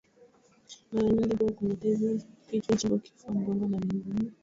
mara nyingi huwa kwenye tezi kichwa shingo kifua mgongo na miguuni